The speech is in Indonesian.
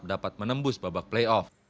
dapat menembus babak playoff